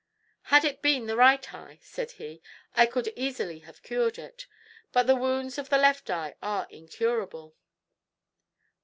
"Had it been the right eye," said he, "I could easily have cured it; but the wounds of the left eye are incurable."